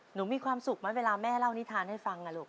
มีความสุขไหมเวลาแม่เล่านิทานให้ฟังนะลูก